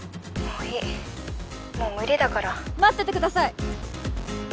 ☎もういいもう無理だから待っててください